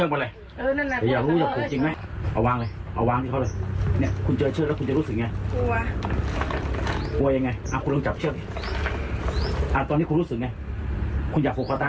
อืมเมื่อกี้มันอยากผูกมิ้วไม่อยากผูกหรือเปล่า